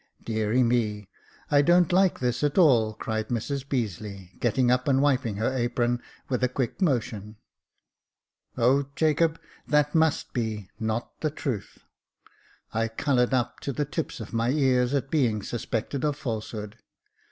*' Deary me, I don't like this at all," cried Mrs Beazeley, getting up, and wiping her apron with a quick motion. " O, Jacob, that must be — not the truth." I coloured up to the tips of my ears, at being suspected of falsehood.